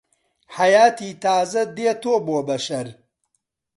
حەیاتی تازە دێتۆ بۆ بەشەر